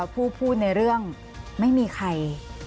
พูดในเรื่องไม่มีใคร